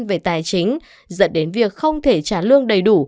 về tài chính dẫn đến việc không thể trả lương đầy đủ